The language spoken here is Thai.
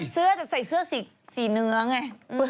ใส่เสื้อสีเนื้อไง